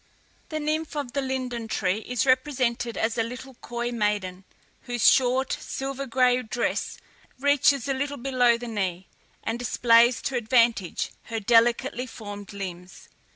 The nymph of the LINDEN TREE is represented as a little coy maiden, whose short silver gray dress reaches a little below the knee, and displays to advantage her delicately formed limbs.